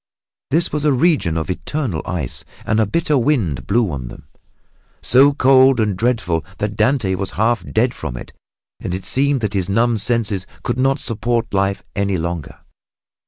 This was a region of eternal ice and a bitter wind blew on them, so cold and dreadful that Dante was half dead from it and it seemed that his numbed senses could not support life any longer.